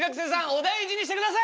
お大事にしてください！